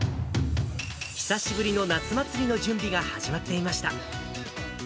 久しぶりの夏祭りの準備が始まっていました。